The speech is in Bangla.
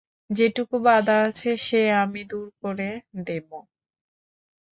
যেটুকু বাধা আছে সে আমি দূর করে দেব।